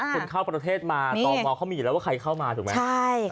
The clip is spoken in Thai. คุณเข้าประเทศมาต่อมอเขามีอยู่แล้วว่าใครเข้ามาถูกไหม